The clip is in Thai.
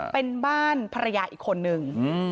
เป็นบ้านภรรยาอีกคนนึง